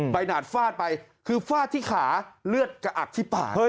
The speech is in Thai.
หนาดฟาดไปคือฟาดที่ขาเลือดกระอักที่ปาก